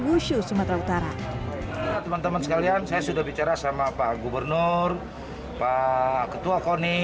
wushu sumatera utara teman teman sekalian saya sudah bicara sama pak gubernur pak ketua koni